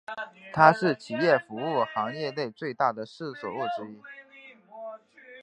它是企业服务行业内最大的事务所之一。